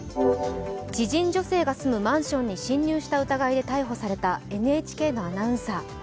知人女性が住むマンションに侵入した疑いで逮捕されたＮＨＫのアナウンサー。